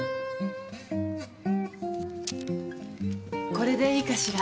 これでいいかしら？